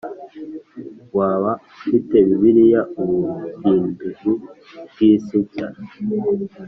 Waba ufite Bibiliya Ubuhinduzi bw’isi nshya